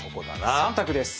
３択です。